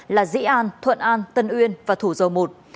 là dĩ an thuận an tân uyên và thủ dầu một